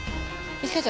一課長！